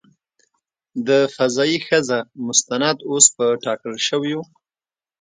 د "فضايي ښځه" مستند اوس په ټاکل شویو .